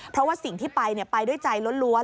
เพราะว่าสิ่งที่ไปไปด้วยใจล้วน